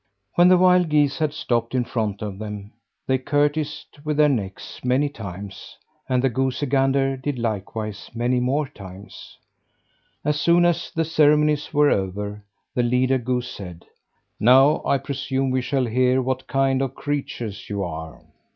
When the wild geese had stopped in front of them, they curtsied with their necks many times, and the goosey gander did likewise many more times. As soon as the ceremonies were over, the leader goose said: "Now I presume we shall hear what kind of creatures you are."